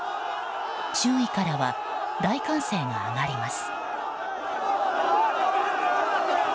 周囲からは大歓声が上がります。